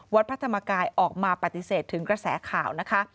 วัดพระธรรมกายออกมาปฏิเสธถึงกระแสข่าวนะคะ